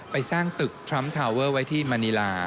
ไปสร้างตึกทรัมป์ทาวเวอร์ไว้ที่มณีลา